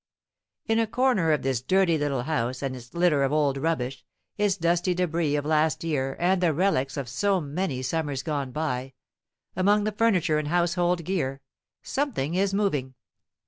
In a corner of this dirty little house and its litter of old rubbish, its dusty debris of last year and the relics of so many summers gone by, among the furniture and household gear, something is moving.